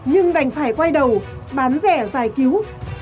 nhưng đành phải quay đầu bán rẻ giải cứu